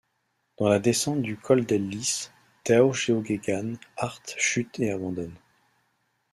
Dans la descente du Colle del Lys, Tao Geoghegan Hart chute et abandonne.